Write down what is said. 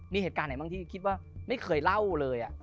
มีเหตุการณ์ไหนบ้างที่คิดว่าไม่เคยเล่าเลย